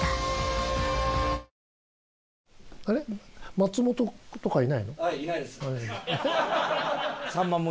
松本とかいないの？